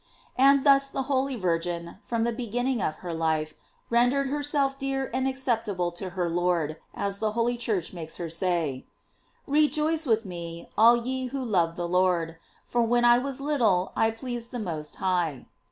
And thus the holy Virgin, from the beginning of her life, rendered herself dear and acceptable to her Lord, as the holy Church makes her say: ''Rejoice with me, all ye who love the Lord, for when I was little I pleased the Most High."